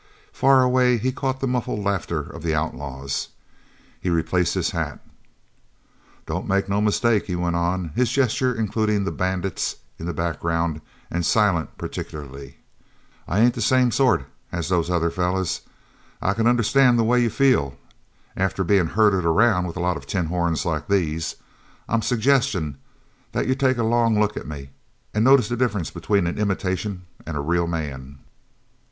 Far away he caught the muffled laughter of the outlaws. He replaced his hat. "Don't make no mistake," he went on, his gesture including the bandits in the background, and Silent particularly, "I ain't the same sort as these other fellers. I c'n understand the way you feel after bein' herded around with a lot of tin horns like these. I'm suggestin' that you take a long look at me an' notice the difference between an imitation an' a real man."